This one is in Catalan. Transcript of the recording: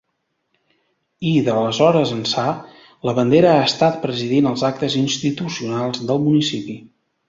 I d'aleshores ençà la bandera ha estat presidint els actes institucionals del municipi.